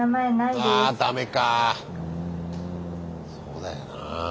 そうだよなあ。